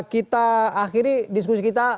kita akhiri diskusi kita